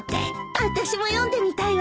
あたしも読んでみたいわ！